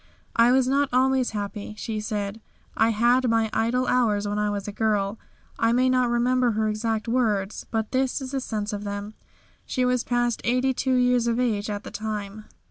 "I was not always happy," she said; "I had my idle hours when I was a girl." I may not remember her exact words, but this is the sense of them. She was past 82 years of age at the time.